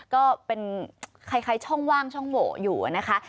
ก็เป็นคล้ายช่องว่างช่องโหวอยู่นะคะ